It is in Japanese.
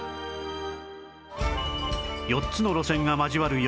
４つの路線が交わる四ツ谷駅